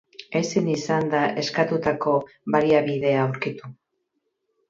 Ezin izan da eskatutako baliabidea aurkitu.